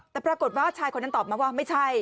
แต่ปรากฏว่าชายคนนั้นตอบมาว่าไม่ใช่